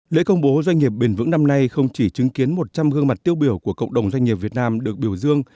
lễ công bố doanh nghiệp bền vững năm nay không chỉ chứng kiến một trăm linh gương mặt tiêu biểu của cộng đồng doanh nghiệp việt nam được biểu dương